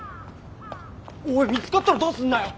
おい見つかったらどうすんだよ！